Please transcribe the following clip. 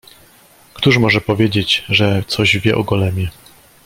"„Któż może powiedzieć, że coś wie o Golemie?"